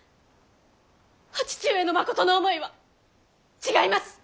お義父上のまことの思いは違います！